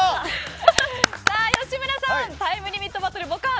吉村さん「タイムリミットバトルボカーン！」